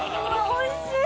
おいしい！